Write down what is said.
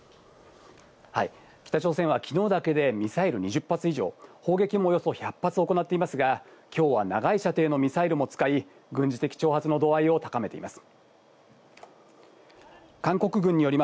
北朝鮮は昨日だけでミサイル２０発以上、砲撃もおよそ１００発行っていますが、今日は長い射程のミサイルも使い、軍事的挑発の度合いを高めています。